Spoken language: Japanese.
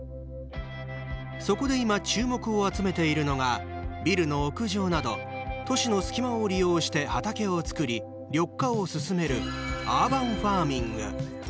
そこで今、注目を集めているのがビルの屋上など都市の隙間を利用して畑を作り緑化を進めるアーバンファーミング。